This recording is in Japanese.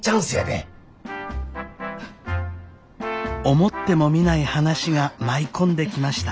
思ってもみない話が舞い込んできました。